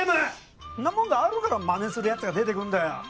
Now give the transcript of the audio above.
なもんがあるからまねするやつが出てくんだよ